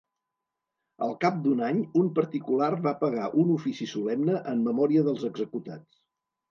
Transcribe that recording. Al cap d'un any un particular va pagar un ofici solemne en memòria dels executats.